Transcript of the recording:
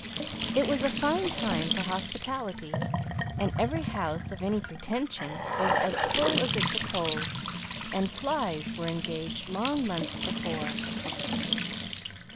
It was a fine time for hospitality, and every house of any pretension was as full as it could hold, and flys were engaged long months before.